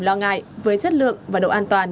lo ngại với chất lượng và độ an toàn